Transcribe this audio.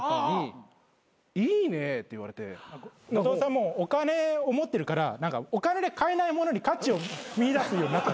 もうお金を持ってるからお金で買えないものに価値を見いだすようになった。